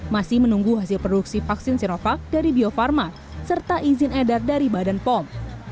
masih menunggu hasil produksi vaksin sinovac dari bio farma serta izin edar dari badan pom